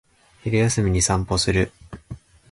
昼休みに散歩する